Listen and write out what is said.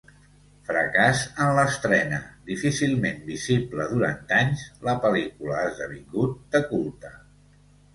Fracàs en l'estrena, difícilment visible durant anys, la pel·lícula ha esdevingut de culte.